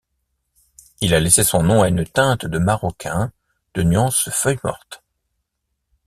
Il a laissé son nom à une teinte de maroquin, de nuance feuille morte.